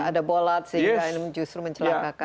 ada bolat sehingga justru mencelakakan